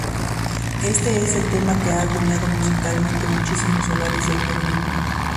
Este es el tema que ha acuñado musicalmente muchísimos hogares del Perú.